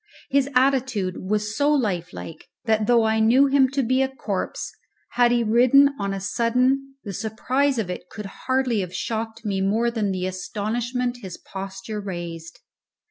His attitude was so lifelike that, though I knew him to be a corpse, had he risen on a sudden the surprise of it could hardly have shocked me more than the astonishment his posture raised.